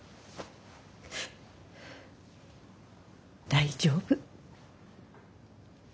大丈夫。